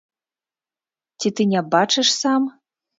Ці ты не бачыш сам?